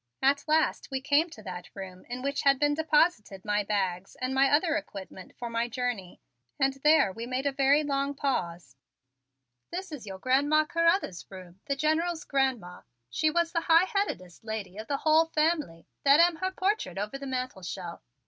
At last we came to that room in which had been deposited my bags and my other equipment for my journey and there we made a very long pause. "This is your Grandma Carruthers' room, the General's grandma, and she was the high headedest lady of the whole family. That am her portrait over the mantelshelf.